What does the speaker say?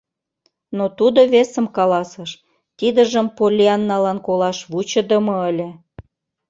Но тудо весым каласыш, тидыжым Поллианналан колаш вучыдымо ыле.